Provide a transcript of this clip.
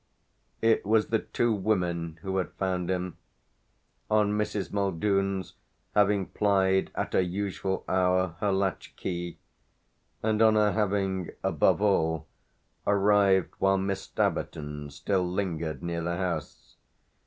It was the two women who had found him, on Mrs. Muldoon's having plied, at her usual hour, her latch key and on her having above all arrived while Miss Staverton still lingered near the house.